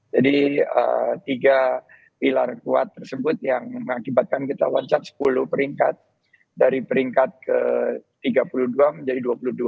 jadi tiga pilar kuat tersebut yang mengakibatkan kita wancar sepuluh peringkat dari peringkat ke tiga puluh dua menjadi dua puluh dua